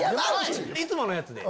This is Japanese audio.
いつものやつで。